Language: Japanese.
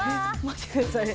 待ってください